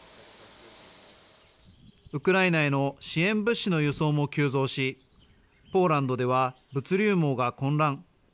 ウクライナへの支援物資の輸送も急増しポーランドでは物流網が混乱。